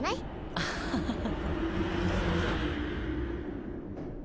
アハハハ。